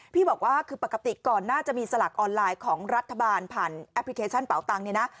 บอกว่าคือปกติก่อนน่าจะมีสลากออนไลน์ของรัฐบาลผ่านแอปพลิเคชันเป่าตังเนี่ยนะ